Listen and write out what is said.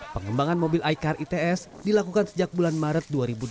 pengembangan mobil icar its dilakukan sejak bulan maret dua ribu dua puluh